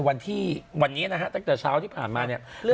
วันที่วันนี้นะฮะตั้งแต่เช้าที่ผ่านมาเนี่ย